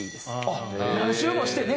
あっ何周もしてね。